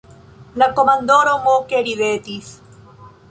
La komandoro moke ridetis.